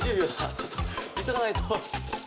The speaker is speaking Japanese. ちょっと急がないと。